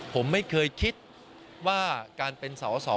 ผมไม่เคยคิดว่าการเป็นสอสอ